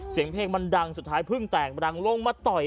เสียงเพลงมันดังสุดท้ายเพิ่งแตกรังลงมาต่อย